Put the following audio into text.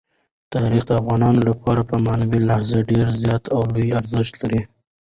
تاریخ د افغانانو لپاره په معنوي لحاظ ډېر زیات او لوی ارزښت لري.